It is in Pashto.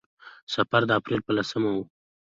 سفر د اپرېل په لسمه و.